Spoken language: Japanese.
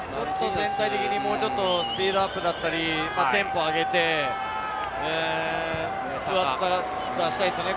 全体的にもうちょっとスピードアップだったりテンポを上げて出したいですよね